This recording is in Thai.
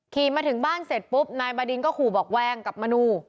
ขี่มาถึงบ้านเสร็จปุ๊บนายบาดินก็ขู่บอกแวงกับมนู